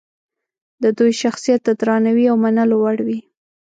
د دوی شخصیت د درناوي او منلو وړ وي.